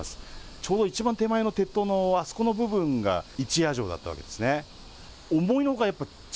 ちょうどいちばん手前の鉄塔のあそこの部分が一夜城だったわけですね。